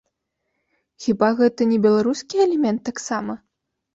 Хіба гэта не беларускі элемент таксама?